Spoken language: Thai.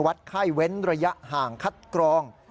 ไข้เว้นระยะห่างคัดกรอง